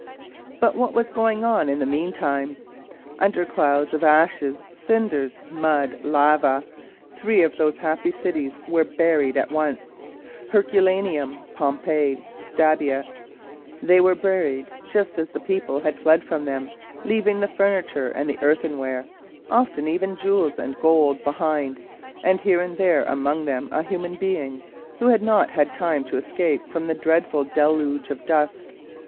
But what was going on in the meantime? Under clouds of ashes, cinders, mud, lava, three of those happy cities were buried at once Herculaneum, Pompeii, Stabiae. They were buried just as the people had fled from them, leaving the furniture and the earthenware, often even jewels and gold, behind, and here and there among them a human being who had not had time to escape from the dreadful deluge of dust.